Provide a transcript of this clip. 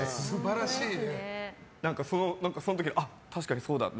その時、確かにそうだって。